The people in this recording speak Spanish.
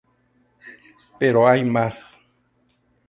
Pero hay más.